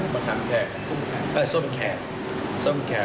มะขามแข็งส้มแข็งอ่าส้มแข็ง